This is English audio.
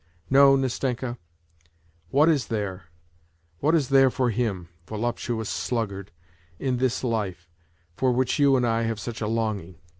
... No, Nastenka, what is there, what is there for him, voluptuous sluggard, in this life, for whieh you and I have such a longing?